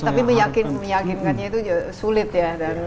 tapi meyakinkannya itu sulit ya